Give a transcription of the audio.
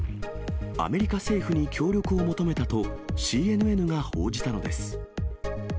アメリカ政府に協力を求めたとＣＮＮが報じたのです。